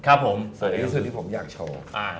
อันนี้สุดที่ผมอยากโชว์